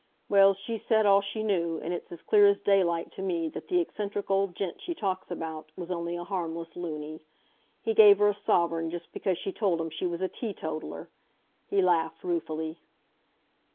Well, she's said all she knew, and it's as clear as daylight to me that the eccentric old gent she talks about was only a harmless luny. He gave her a sovereign just because she told him she was a teetotaller!" He laughed ruefully.